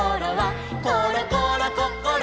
「ころころこころ